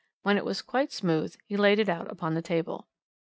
When it was quite smooth he laid it out upon the table.